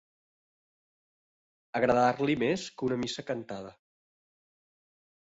Agradar-li més que una missa cantada.